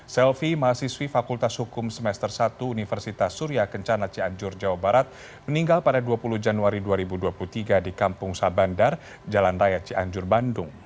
selvi mahasiswi fakultas hukum semester satu universitas surya kencana cianjur jawa barat meninggal pada dua puluh januari dua ribu dua puluh tiga di kampung sabandar jalan raya cianjur bandung